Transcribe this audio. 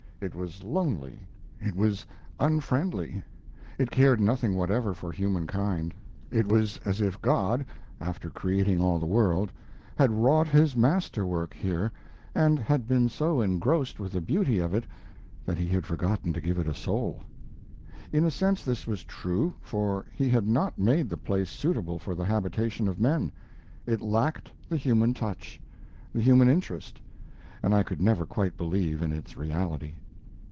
It was lonely; it was unfriendly; it cared nothing whatever for humankind; it was as if God, after creating all the world, had wrought His masterwork here, and had been so engrossed with the beauty of it that He had forgotten to give it a soul. In a sense this was true, for He had not made the place suitable for the habitation of men. It lacked the human touch; the human interest, and I could never quite believe in its reality.